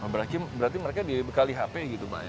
berarti mereka dibekali hp gitu pak ya